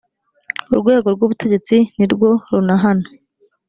urwego rw’ ubutegetsi nirwo runahana.